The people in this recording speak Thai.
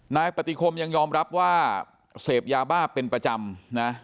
นายปฏิคมยังยอมรับว่าเสพยาบ้าเป็นประจำนะ